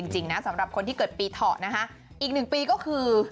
จริงนะสำหรับคนที่เกิดปีเถาะนะคะอีกหนึ่งปีก็คือ